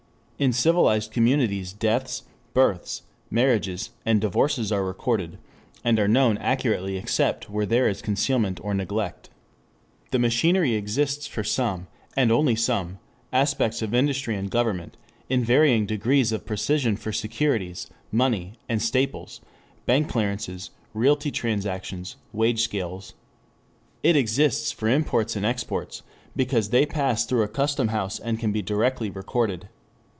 In civilized communities deaths, births, marriages and divorces are recorded, and are known accurately except where there is concealment or neglect. The machinery exists for some, and only some, aspects of industry and government, in varying degrees of precision for securities, money and staples, bank clearances, realty transactions, wage scales. It exists for imports and exports because they pass through a custom house and can be directly recorded.